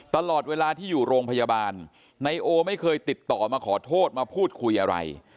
ตลอดเวลาที่อยู่โรงพยาบาลนายโอไม่เคยติดต่อมาขอโทษมาพูดคุยอะไร